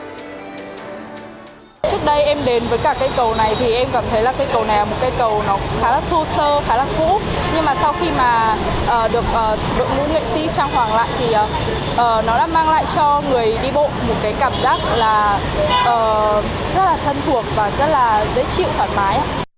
nó đã mang lại cho người đi bộ một cái cảm giác là rất là thân thuộc và rất là dễ chịu thoải mái